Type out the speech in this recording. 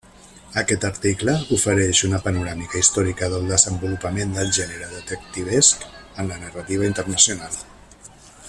Aquest article ofereix una panoràmica històrica del desenvolupament del gènere detectivesc en la narrativa internacional.